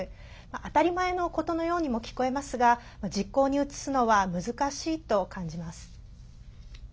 当たり前のことのようにも聞こえますが実行に移すのは難しいと感じます。